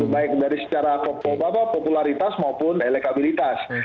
baik dari secara kebaba popularitas maupun elekabilitas